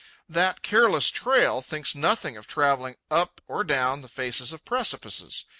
That careless trail thinks nothing of travelling up or down the faces of precipices.